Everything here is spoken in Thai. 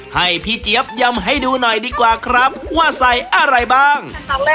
ให้พี่เจี๊ยบยำให้ดูหน่อยดีกว่าครับว่าใส่อะไรบ้าง